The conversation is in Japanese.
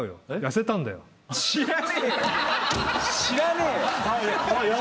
知らねえよ！